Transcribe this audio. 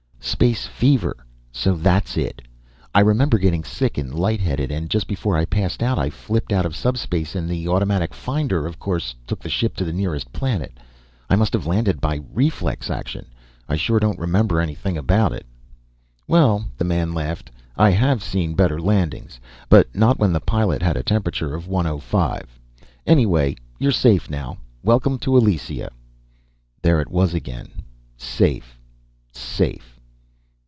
"Space fever? So that's it. I remember getting sick and light headed and just before I passed out I flipped out of subspace and the automatic finder, of course, took the ship to the nearest planet. I must have landed by reflex action. I sure don't remember anything about it." "Well," the man laughed, "I have seen better landings, but not when the pilot had a temperature of one o five. Anyway, you're safe now. Welcome to Elysia." There it was again. Safe! Safe!